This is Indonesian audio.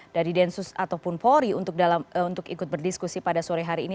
dari densus ataupun polri untuk ikut berdiskusi pada sore hari ini